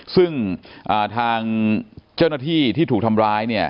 ซึ่งทางเจ้าหน้าที่ที่ถูกทำร้ายเนี่ย